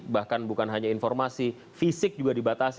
bahkan bukan hanya informasi fisik juga dibatasi